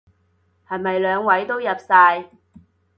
係咪兩位都入晒？